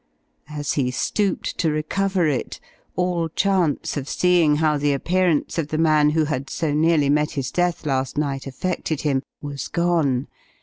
As he stooped to recover it, all chance of seeing how the appearance of the man who had so nearly met his death last night affected him, was gone.